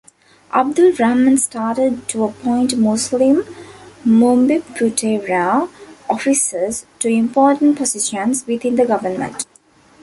Abdul Rahman started to appoint Muslim Bumiputera officers to important positions within the government.